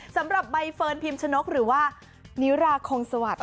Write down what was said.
สำหรับใบเฟิร์นพิมชนกหรือว่านิราคงสวัสดิ